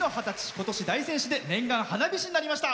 今年、大仙市で念願、花火師になりました。